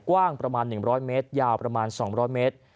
กว้างประมาณ๑๐๐เมตรยาวประมาณ๒๐๐เมตร